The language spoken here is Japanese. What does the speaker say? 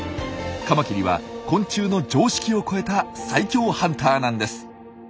カマキリは昆虫の常識を超えた最強ハンターなんです。